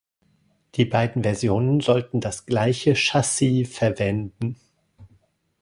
Die beiden Versionen sollten das gleiche Chassis verwenden.